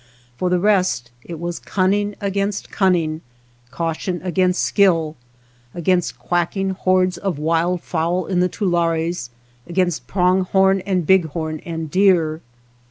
For the rest it was cunning against cunning, caution against skill, against quacking hordes of wild fowl in the tulares, against pronghorn and bighorn and deer.